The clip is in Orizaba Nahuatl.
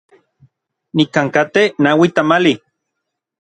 Nikan katej naui tamali.